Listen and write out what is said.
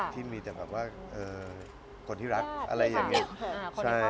ที่มีแต่แบบว่าคนที่รักอะไรอย่างนี้